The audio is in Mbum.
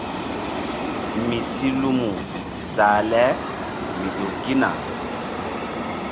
Mi si lumu zah le mi ƴo gina.